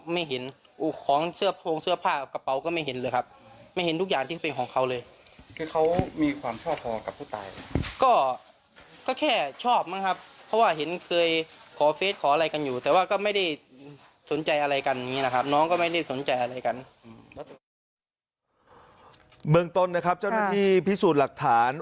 เมืองต้นนะครับเจ้าหน้าที่พิสูจน์หลักฐาน